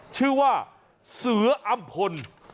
ชื่อว่าเสืออำพล